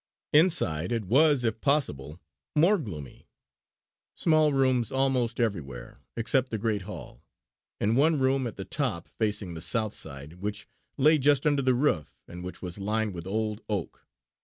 Inside it was, if possible, more gloomy. Small rooms almost everywhere, except the great hall, and one room at the top facing the south side which lay just under the roof and which was lined with old oak.